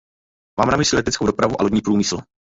Mám na mysli leteckou dopravu a lodní průmysl.